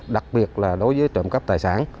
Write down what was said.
đặc biệt là đối với trộm cắp tài sản